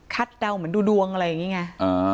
เดาเหมือนดูดวงอะไรอย่างนี้ไง